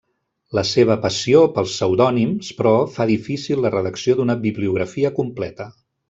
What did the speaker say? La seva passió pels pseudònims, però, fa difícil la redacció d'una bibliografia completa.